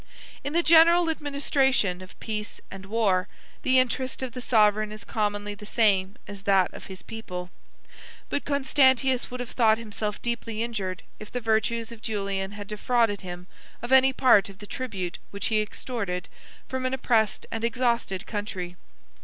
In the general administration of peace and war, the interest of the sovereign is commonly the same as that of his people; but Constantius would have thought himself deeply injured, if the virtues of Julian had defrauded him of any part of the tribute which he extorted from an oppressed and exhausted country.